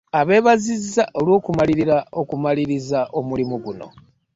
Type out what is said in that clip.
Abeebazizza olw'okumalirira okumaliriza omulimu guno